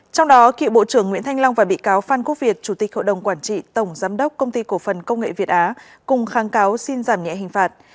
trong đó cựu bộ trưởng nguyễn thanh long và bị cáo phan quốc việt chủ tịch hội đồng quản trị tổng giám đốc công ty cổ phần công nghệ việt á cùng kháng cáo xin giảm nhẹ hình phạt